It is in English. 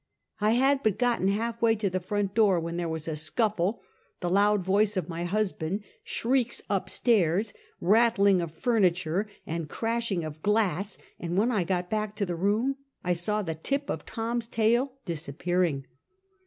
I had but gotten half way to the front door when there was a scufile, the loud voice of my husband, shrieks up stairs, rattling of furniture and crashing of glass, and when I got back to the room I saw the tip of Tom's tail disappearing.